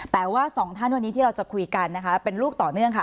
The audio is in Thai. แต่ว่าสองท่านวันนี้ที่เราจะคุยกันนะคะเป็นลูกต่อเนื่องค่ะ